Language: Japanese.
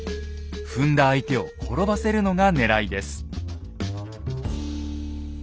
踏んだ相手を転ばせるのがねらいです。